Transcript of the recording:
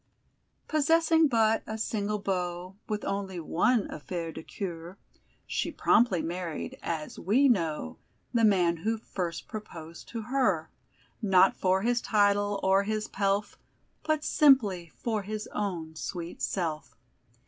Possessing but a single beau, With only one affaire de c[oe]ur, She promptly married, as we know, The man who first proposed to her; Not for his title or his pelf, But simply for his own sweet self.